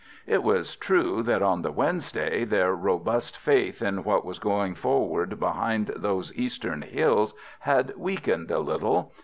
It was true that on the Wednesday their robust faith in what was going forward behind those eastern hills had weakened a little.